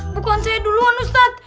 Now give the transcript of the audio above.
bukan saya duluan ustad